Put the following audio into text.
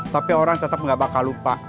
tapi orang tetep gak bakal lupa